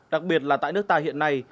đặc biệt là tại nước ta hiện nay